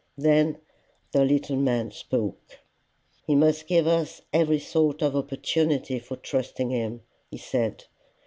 Then the little man spoke. "He must give us every sort of opportunity for trusting him," he said.